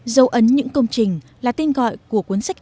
dấu ấn những công trình là tên gọi của cuốn sách